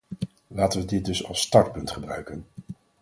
Laten we dit dus als startpunt gebruiken.